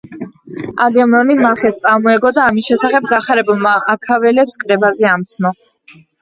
აგამემნონი მახეს წამოეგო და ამის შესახებ გახარებულმა აქაველებს კრებაზე ამცნო.